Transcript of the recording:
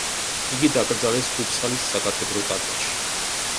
იგი დაკრძალეს უფსალის საკათედრო ტაძარში.